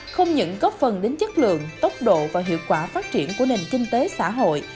không những góp phần đến chất lượng tốc độ và hiệu quả phát triển của nền kinh tế xã hội